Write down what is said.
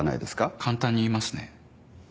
簡単に言いますね。